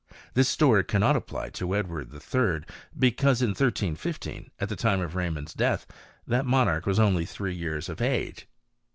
This story cannot apply to Edward III because in 1315, at the time of Raymond's death, th monarch was only three years of age.